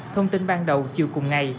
thông tin ban đầu chiều cùng ngày